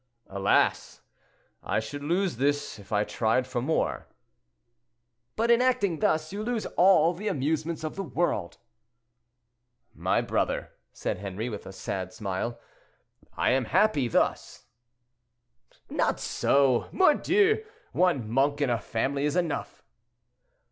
"Alas! I should lose this, if I tried for more." "But in acting thus, you lose all the amusements of the world." "My brother," said Henri, with a sad smile, "I am happy thus." "Not so, mordieu! One monk in a family is enough."